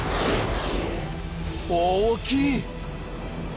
大きい！